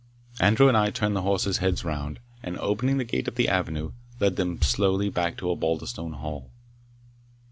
Andrew and I turned the horses' heads round, and opening the gate of the avenue, led them slowly back to Osbaldistone Hall.